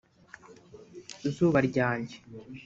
Zuba ryanjye